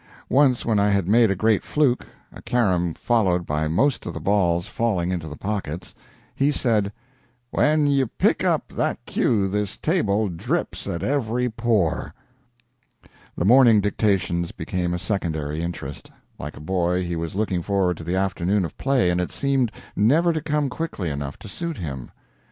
Once when I had made a great fluke a carom followed by most of the balls falling into the pockets, he said: "When you pick up that cue this table drips at every pore." The morning dictations became a secondary interest. Like a boy, he was looking forward to the afternoon of play, and it seemed never to come quickly enough to suit him.